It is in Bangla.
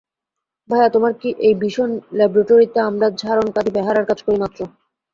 ভায়া, তোমার এই ভীষণ ল্যাবরেটরিতে আমরা ঝাড়ন কাঁধে বেহারার কাজ করি মাত্র।